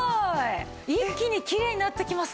一気にきれいになっていきますね。